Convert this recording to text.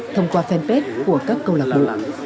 thông qua fanpage của các câu lạc bộ